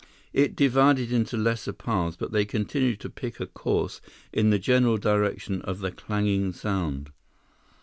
It divided into lesser paths, but they continued to pick a course in the general direction of the clanging sound.